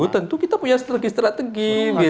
tentu kita punya strategi strategi